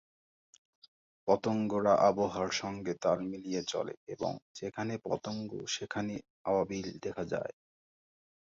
পতঙ্গরা আবহাওয়ার সঙ্গে তাল মিলিয়ে চলে এবং যেখানে পতঙ্গ সেখানেই আবাবিল দেখা যায়।